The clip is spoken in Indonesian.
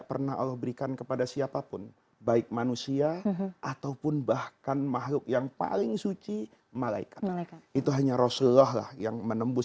pertama kali sampai satu nisab